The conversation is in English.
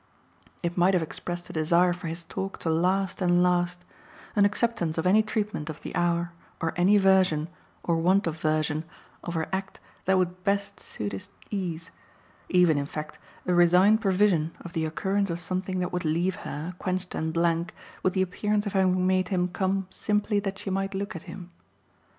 It might have expressed a desire for his talk to last and last, an acceptance of any treatment of the hour or any version, or want of version, of her act that would best suit his ease, even in fact a resigned prevision of the occurrence of something that would leave her, quenched and blank, with the appearance of having made him come simply that she might look at him.